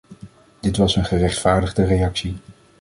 Dit was een gerechtvaardigde reactie.